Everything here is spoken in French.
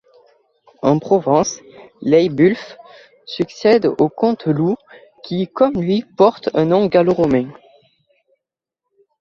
En Provence, Leibulf succède au comte Loup, qui comme lui porte un nom gallo-romain.